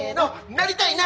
なりたいな！